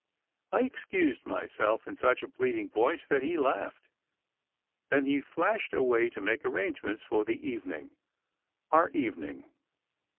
I ex cused myself in such a pleading voice that he laughed. Then he flashed away to make arrangements for the even ing our evening!